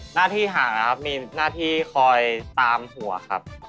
หน้าที่หาครับมีหน้าที่คอยตามหัวครับ